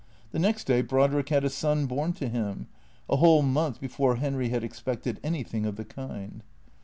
The next day Brodrick had a son born to him, a whole month before Henry had expected anything of the kind.